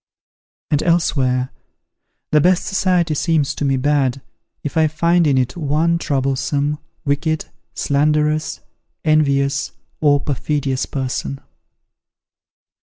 And elsewhere, "The best society seems to me bad, if I find in it one troublesome, wicked, slanderous, envious, or perfidious person."